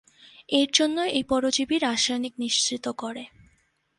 এর জন্য এই পরজীবী রাসায়নিক নিঃসৃত করে।